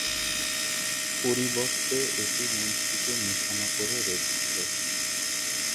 পরিবর্তে, এটি মন্ত্রীকে নিশানা করে রেখেছে।